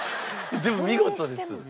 でも見事です。